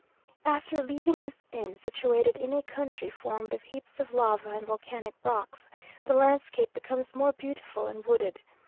After leaving this inn, situated in a country formed of heaps of lava and volcanic rocks, the landscape becomes more beautiful and wooded.